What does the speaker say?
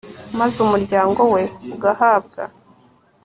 maze umuryango we ugahabwa